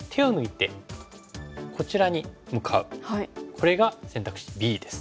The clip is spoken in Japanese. これが選択肢Ｂです。